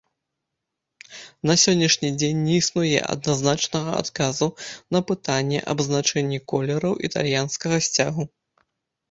На сённяшні дзень не існуе адназначнага адказу на пытанне аб значэнні колераў італьянскага сцягу.